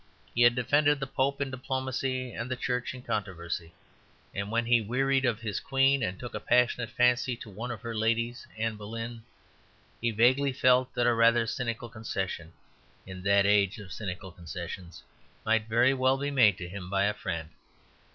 He had defended the Pope in diplomacy and the Church in controversy; and when he wearied of his queen and took a passionate fancy to one of her ladies, Anne Boleyn, he vaguely felt that a rather cynical concession, in that age of cynical concessions, might very well be made to him by a friend.